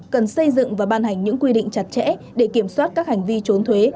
cần xây dựng và ban hành những quy định chặt chẽ để kiểm soát các hành vi trốn thuế